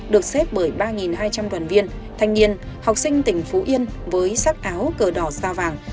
được xếp bởi ba hai trăm linh đoàn viên thanh niên học sinh tỉnh phú yên với sắc áo cờ đỏ sao vàng